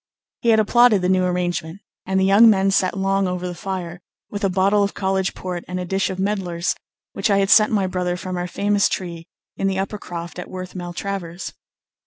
He had applauded the new arrangement, and the young men sat long over the fire, with a bottle of college port and a dish of medlars which I had sent my brother from our famous tree in the Upper Croft at Worth Maltravers.